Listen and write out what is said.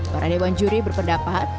para dewan juri berpendapat